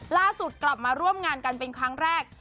ล่าสุดกลับมาร่วมงานกันเป็นครั้งแรก